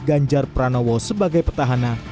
ganjar pranowo sebagai petahana